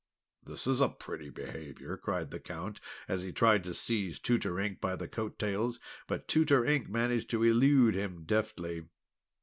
"This is pretty behaviour!" cried the Count, as he tried to seize Tutor Ink by the coat tails; but Tutor Ink managed to elude him deftly.